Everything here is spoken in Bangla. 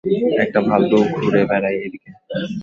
একটা ভাল্লুক ঘুড়ে বেড়ায় এদিকে।